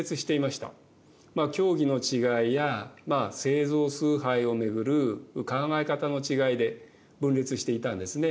まあ教義の違いや聖像崇拝を巡る考え方の違いで分裂していたんですね。